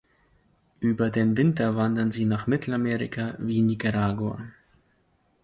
Über den Winter wandern sie nach Mittelamerika wie Nicaragua.